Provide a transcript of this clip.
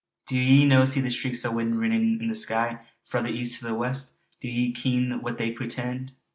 Do ye no see the streaks o' wind rinnin' i' the sky, frae the east to the west? Do ye ken what they portend?